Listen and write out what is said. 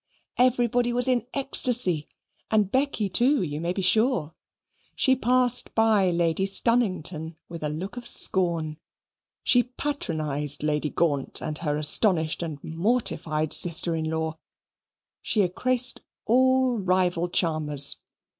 Everybody was in ecstacy; and Becky too, you may be sure. She passed by Lady Stunnington with a look of scorn. She patronized Lady Gaunt and her astonished and mortified sister in law she ecrased all rival charmers.